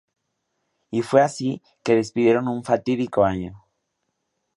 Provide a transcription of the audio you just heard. Y fue así que despidieron un fatídico año.